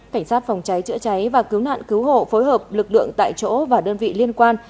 cảnh sát phòng cháy chữa cháy và cứu nạn cứu hộ phối hợp lực lượng tại chỗ và đơn vị liên quan